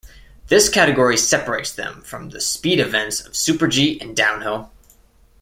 This category separates them from the speed events of Super-G and downhill.